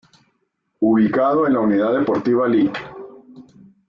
Ubicado en la Unidad Deportiva Lic.